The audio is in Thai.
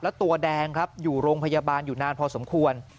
แล้วตัวแดงครับอยู่โรงพยาบาลอยู่นานพอสมควร